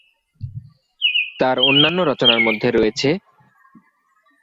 তার অন্যান্য রচনার মধ্যে রয়েছেঃ